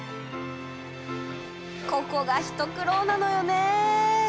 ここが一苦労なのよね。